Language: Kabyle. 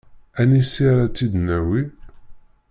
Anisi ara tt-id-nawi?